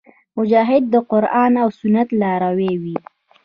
مجاهد د قرآن او سنت لاروی وي.